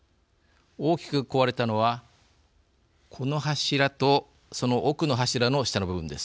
大きく壊れたのはこの柱とその奥の柱の下の部分です。